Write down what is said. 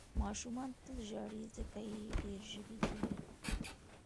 ماشومان تل ژاړي، ځکه یې ډېر ژبۍ کېږي.